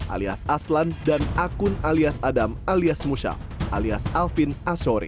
alias aslan dan akun alias adam alias musyaf alias alvin ashori